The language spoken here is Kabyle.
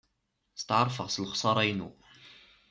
Steɛṛfeɣ s lexṣara-inu.